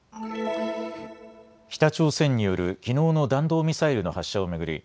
北朝鮮によるきのうの弾道ミサイルの発射を巡り